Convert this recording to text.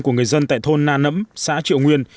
của người dân tại thôn na nẫm xã triệu nguyên